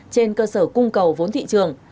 trên cơ sở cung cầu vốn thị trường